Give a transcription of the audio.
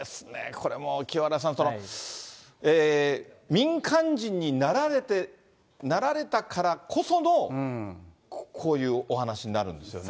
これも、清原さん、民間人になられたからこその、こういうお話になるんですよね。